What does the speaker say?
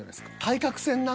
対角線な。